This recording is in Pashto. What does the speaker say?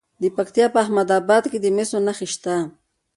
د پکتیا په احمد اباد کې د مسو نښې شته.